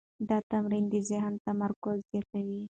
دا تمرین د ذهن تمرکز زیاتوي.